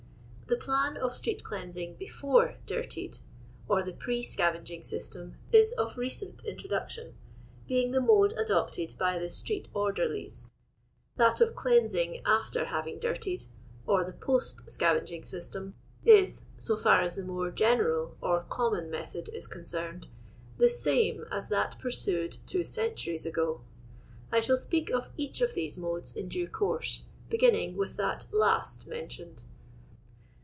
The plan of street cleansing '«•/(/« dirtiod, or the pre Bcavenging system, is of recent introduction, being the mode adopted by the " street orderlies ;" that of cleansing after ha>'ing dirtied, or the post scavenging system, is (so far as the more gcne i al or common method is concerned) the same as that pursued two centuries ago. I shall speak of each of these moiU'S in due course, beginning with that last mentioned.